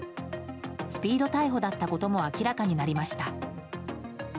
スピード逮捕だったことも明らかになりました。